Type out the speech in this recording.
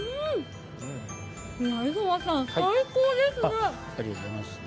井川さん、最高ですね。